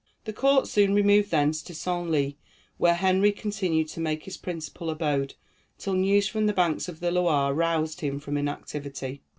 The court soon removed thence to Senlis, where Henry continued to make his principal abode, till news from the banks of the Loire roused him from inactivity.